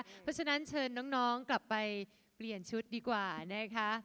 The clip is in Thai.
เพราะฉะนั้นเชิญน้องกลับไปเปลี่ยนชุดดีกว่านะคะ